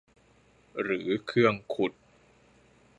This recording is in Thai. หรือเครื่องขุด